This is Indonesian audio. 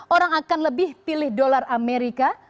orang akan lebih pilih dolar amerika